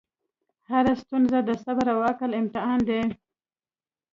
هره ستونزه د صبر او عقل امتحان دی.